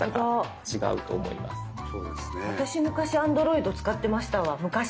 私昔アンドロイド使ってましたわ昔。